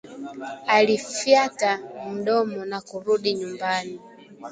Alifyata mdomo na kurudi nyumbani